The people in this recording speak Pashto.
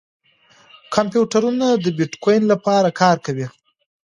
کمپیوټرونه د بېټکوین لپاره کار کوي.